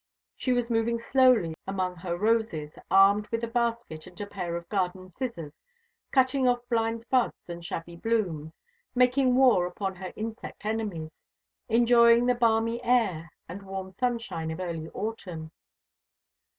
She was moving slowly about among her roses, armed with a basket and a pair of garden scissors, cutting off blind buds and shabby blooms, making war upon her insect enemies enjoying the balmy air and warm sunshine of early autumn.